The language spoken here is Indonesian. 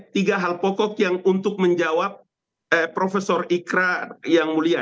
tiga hal pokok yang untuk menjawab profesor ikra yang mulia